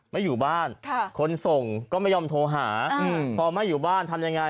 ไม่อยู่บ้านคนส่งก็ไม่ยอมโทรหาพอไม่อยู่บ้านทำยังไง